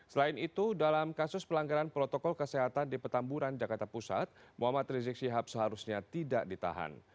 selain itu dalam kasus pelanggaran protokol kesehatan di petamburan jakarta pusat muhammad rizik sihab seharusnya tidak ditahan